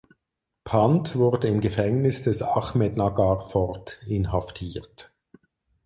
Pant wurde im Gefängnis des "Ahmednagar Fort" inhaftiert.